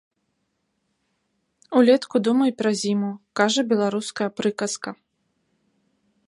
Улетку думай пра зіму, кажа беларуская прыказка.